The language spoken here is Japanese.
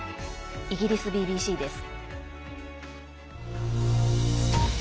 イギリスＢＢＣです。